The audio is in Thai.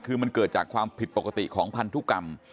คือมันเกิดจากความผิดปกติของพันธุกรรม